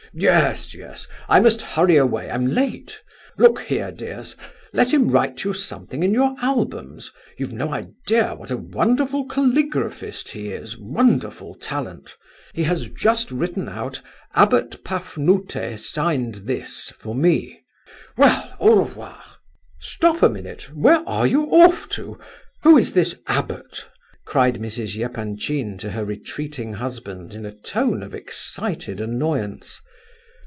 "Yes, yes—I must hurry away, I'm late! Look here, dears, let him write you something in your albums; you've no idea what a wonderful caligraphist he is, wonderful talent! He has just written out 'Abbot Pafnute signed this' for me. Well, au revoir!" "Stop a minute; where are you off to? Who is this abbot?" cried Mrs. Epanchin to her retreating husband in a tone of excited annoyance.